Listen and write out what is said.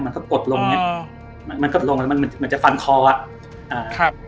มันก็กดลงเนี้ยอ่ามันก็ลงแล้วมันมันเหมือนจะฟันคออ่ะอ่าครับ